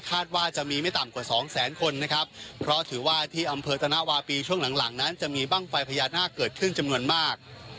ว่าจะมีไม่ต่ำกว่าสองแสนคนนะครับเพราะถือว่าที่อำเภอธนวาปีช่วงหลังหลังนั้นจะมีบ้างไฟพญานาคเกิดขึ้นจำนวนมาก